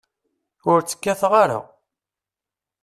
Ur tt-kkateɣ ara.